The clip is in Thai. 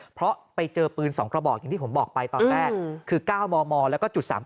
เพราะไปเจอปืน๒กระบอกอย่างที่ผมบอกไปตอนแรกคือ๙มมแล้วก็จุด๓๘